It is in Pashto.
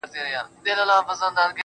ياره وس دي نه رسي ښكلي خو ســرزوري دي.